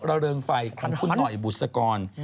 เริงไฟของคุณหน่อยบุษกร